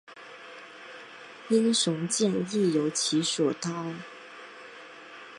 英雄剑亦由其所铸。